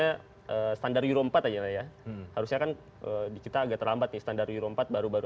karena standar euro empat aja lah ya harusnya kan di kita agak terlambat nih standar euro empat baru baru